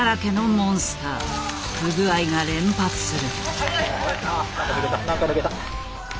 不具合が連発する。